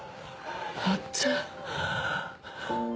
あっちゃん。